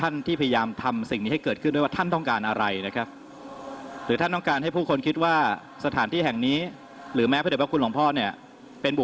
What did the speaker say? ในวัดในวัย๗๒ปีนะครับ